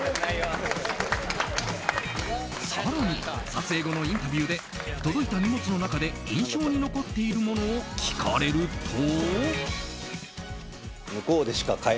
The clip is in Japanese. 更に撮影後のインタビューで届いた荷物の中で印象に残っているものを聞かれると。